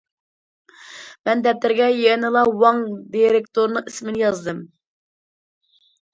مەن دەپتەرگە يەنىلا ۋاڭ دىرېكتورنىڭ ئىسمىنى يازدىم.